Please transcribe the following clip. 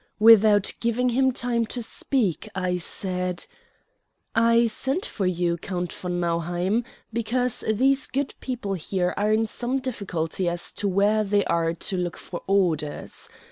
Without giving him time to speak, I said: "I sent for you, Count von Nauheim, because these good people here are in some difficulty as to where they are to look for orders.